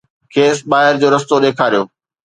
کيس ٻاهر جو رستو ڏيکاريو